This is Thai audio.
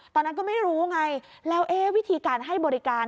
ตอนนั้นก็ไม่รู้ไงแล้ววิธีการให้บริการ